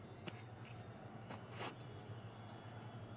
hii nayo ni habari kidogo pendo inayotia huzuni kidogo kwa sababu majengo